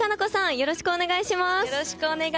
よろしくお願いします。